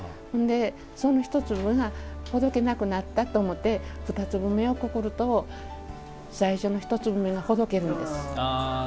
その１粒がほどけなくなったと思って２粒目をくくると最初の１粒目がほどけるんです。